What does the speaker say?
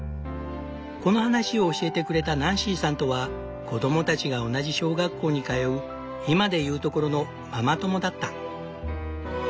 この話を教えてくれたナンシーさんとは子供たちが同じ小学校に通う今で言うところのママ友だった。